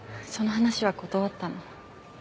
その話は断ったの。